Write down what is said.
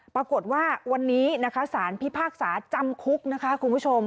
ปรากฏว่าวันนี้นะคะสารพิพากษาจำคุกนะคะคุณผู้ชม